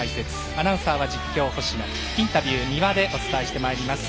アナウンサーは実況、星野インタビュー、三輪でお伝えをしていきます。